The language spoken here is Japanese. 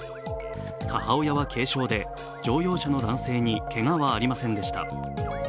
母親は軽傷で乗用車の男性にけがはありませんでした